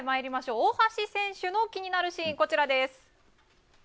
大橋選手の気になるシーンこちらです。